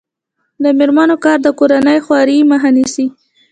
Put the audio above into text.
د میرمنو کار د کورنۍ خوارۍ مخه نیسي.